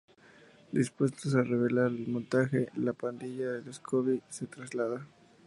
Dispuestos a revelar el montaje, la pandilla de Scooby se traslada.